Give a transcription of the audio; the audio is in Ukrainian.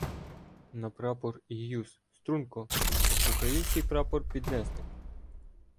«На прапор і гюйс — струнко! Український прапор піднести!».